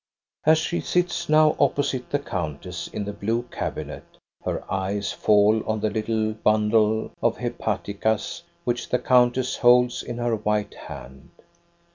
As she sits now opposite the countess in the blue cabinet, her eyes fall on a little bundi of hepaticas which the countess holds in her white hand.